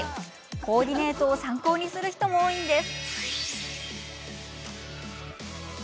コーディネートを参考にする人も多いんです。